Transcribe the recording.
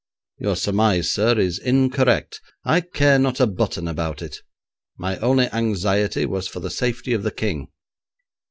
'Your surmise, sir, is incorrect. I care not a button about it. My only anxiety was for the safety of the King.'